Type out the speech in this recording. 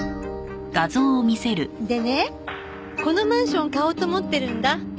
でねこのマンション買おうと思ってるんだ。